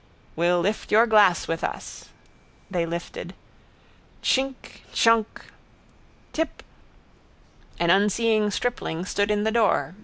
—Will lift your glass with us. They lifted. Tschink. Tschunk. Tip. An unseeing stripling stood in the door.